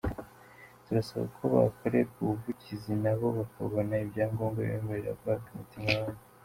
Turasaba ko bakorerwa ubuvugizi nabo bakabona ibyangombwa bibemerera guhabwa imiti nk’abandi.